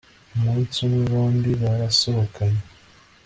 umunsi umwe bombi. barasohokanye